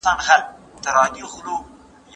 پلان جوړونه په اقتصادي پرمختيا کي بنسټيز رول لري.